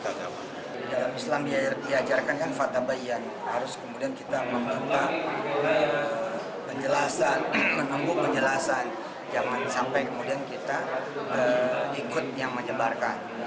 dalam islam diajarkan yang fatah bayi yang harus kemudian kita meminta penjelasan menemukan penjelasan zaman sampai kemudian kita ikut yang menjelaskan